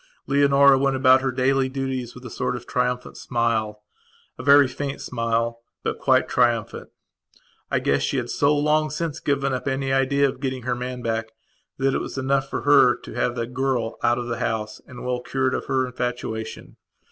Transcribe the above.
Leonora went about her daily duties with a sort of triumphant smilea very faint smile, but quite triumphant. I guess she had so long since given up any idea of getting her man back that it was enough for her to have got the girl out of the house and well cured of her infatuation.